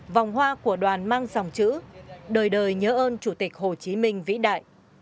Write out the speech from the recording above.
vòng hoa của đoàn mang dòng chữ đời đời nhớ ơn chủ tịch hồ chí minh vĩ đại